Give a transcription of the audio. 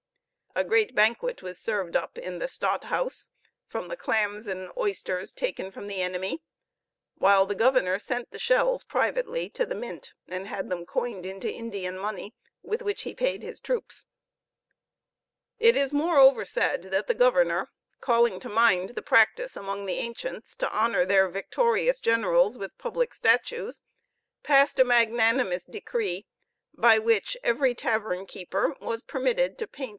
A great banquet was served up in the Stadthouse from the clams and oysters taken from the enemy, while the governor sent the shells privately to the mint, and had them coined into Indian money, with which he paid his troops. It is moreover said that the governor, calling to mind the practice among the ancients to honor their victorious generals with public statues, passed a magnanimous decree, by which every tavern keeper was permitted to paint the head of Stoffel Brinkerhoff upon his sign!